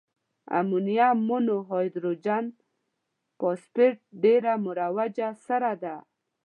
امونیم مونو هایدروجن فاسفیټ ډیره مروجه سره ده.